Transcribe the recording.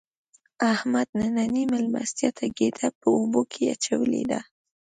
احمد نننۍ مېلمستیا ته ګېډه په اوبو کې اچولې ده.